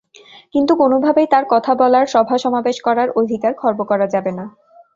কিন্তু কোনোভাবেই তার কথা বলার, সভা-সমাবেশ করার অধিকার খর্ব করা যাবে না।